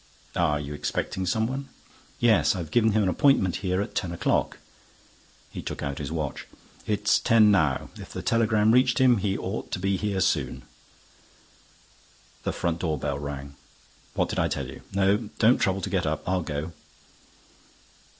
"Are you expecting some one?" "Yes. I have given him an appointment here at ten o'clock." He took out his watch. "It is ten now. If the telegram reached him, he ought to be here soon." The front door bell rang. "What did I tell you? No, don't trouble to get up: I'll go."